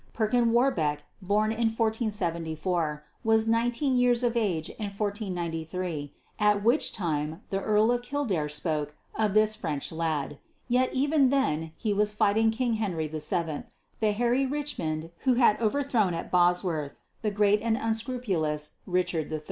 Perkin Warbeck, born in 1474, was nineteen years of age in 1493, at which time the Earl of Kildare spoke of "this French lad," yet even then he was fighting King Henry VII, the Harry Richmond who had overthrown at Bosworth the great and unscrupulous Richard III.